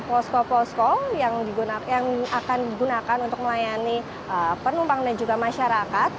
posko posko yang akan digunakan untuk melayani penumpang dan juga masyarakat